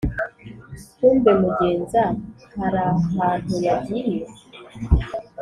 Kumbe mugenza harahantu yagiye